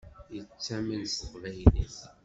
Yettamen s teqbaylit.